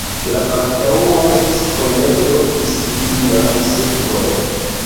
La antaŭaj diskoj ne trovis dignan sekvon.